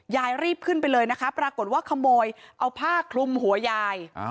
ยายรีบขึ้นไปเลยนะคะปรากฏว่าขโมยเอาผ้าคลุมหัวยาย